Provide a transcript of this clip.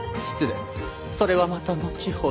それはまたのちほど。